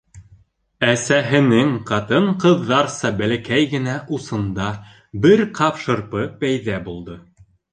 Әсәһенең ҡатын-ҡыҙҙарса бәләкәй генә усында бер ҡап шырпы пәйҙә булды.